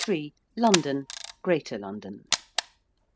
LONDON. GREATER LONDON.